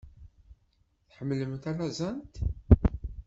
Tḥemmlem talazant?